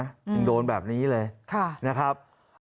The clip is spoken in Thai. ยังโดนแบบนี้เลยนะครับ